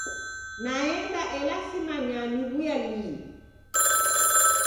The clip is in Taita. Naenda lakini simanya niwuya lii.